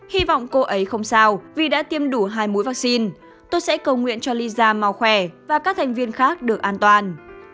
hi vọng cô ấy không sao vì đã tiêm đủ hai mũi vaccine tôi sẽ cầu nguyện cho lisa mau khỏe và các thành viên khác được an toàn